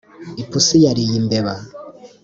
Ipusi yariye imbeba